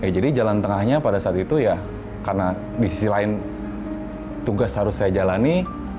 jadi jalan tengahnya pada saat itu ya karena di sisi lain tugas harus saya jalani